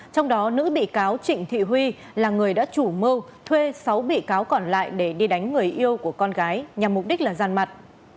trong đó nữ bị cáo trịnh thị huy là người đã chủ mưu thuê sáu bị cáo còn lại để đi đánh người yêu của con gái nhằm mục đích là gian mặt